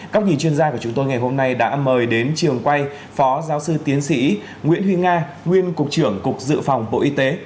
góc nhìn chuyên gia của chúng tôi ngày hôm nay đã mời đến trường quay phó giáo sư tiến sĩ nguyễn huy nga nguyên cục trưởng cục dự phòng bộ y tế